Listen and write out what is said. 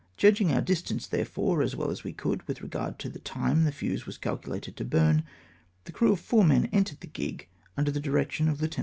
Judging our distance, therefore, as well as we could, with regard to the time the fuse was calculated to burn, the crew of four men entered the gig, under the direction of Lieut.